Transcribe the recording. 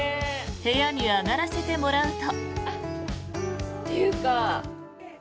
部屋に上がらせてもらうと。